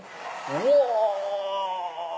うわ！